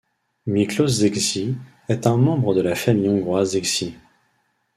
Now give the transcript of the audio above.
Miklós Szécsi est un membre de la famille hongroise Szécsi.